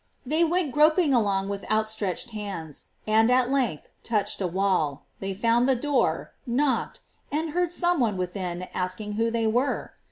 They went groping along with outstretched hands, and at length touched a wall; they found the door, knocked, and heard some one within asking who they were?